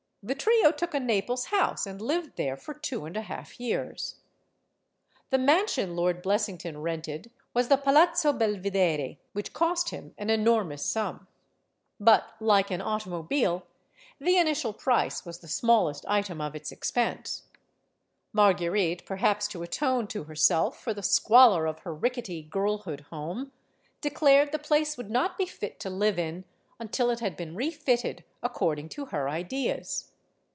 The trio took a Naples house, and lived there for two and a half years The mansion Lord Biessington rented was the Pal azzo Belvidere which cost him an enormous sum. But, like an automobile, the initial price was the small est item of its expense. Marguerite, perhaps to atone to herself for the squalor of her rickety girlhood home, declared the place would not be fit to live in until it had been refitted according to her ideas.